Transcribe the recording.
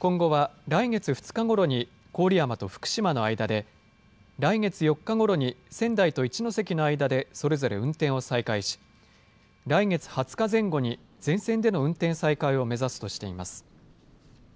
今後は来月２日ごろに郡山と福島の間で、来月４日ごろに仙台と一ノ関の間でそれぞれ運転を再開し、来月２０日前後に全線での運転再開を目指すとしています。